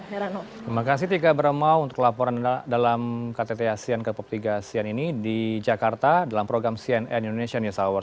terima kasih tika beremau untuk laporan dalam ktt asean ke pop tiga asean ini di jakarta dalam program cnn indonesia news hour